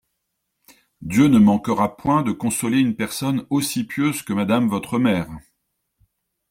Dieu ne manquera point de consoler une personne aussi pieuse que Madame votre Mère.